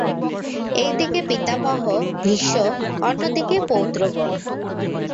একদিকে পিতামহ ভীষ্ম, অন্যদিকে পৌত্রগণ।